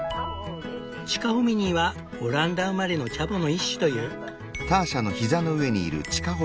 チカホミニーはオランダ生まれのチャボの一種という。